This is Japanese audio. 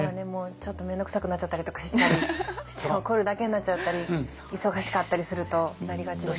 ちょっと面倒くさくなっちゃったりとかしたりして怒るだけになっちゃったり忙しかったりするとなりがちです。